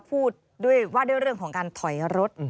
พูดด้วยว่าด้วยเรื่องของการถอยรถ